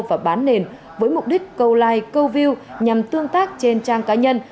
và bán nền với mục đích câu like câu view nhằm tương tác trên trang cá nhân